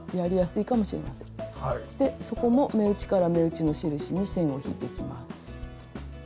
で底も目打ちから目打ちの印に線を引いていきます。